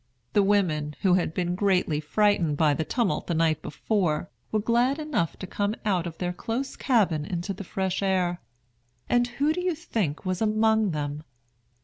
The women, who had been greatly frightened by the tumult the night before, were glad enough to come out of their close cabin into the fresh air. And who do you think was among them?